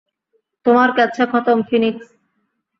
তোমার কেচ্ছা খতম, ফিনিক্স।